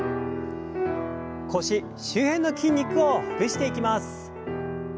腰周辺の筋肉をほぐしていきます。